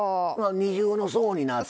二重の層になって。